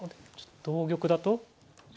同玉だと？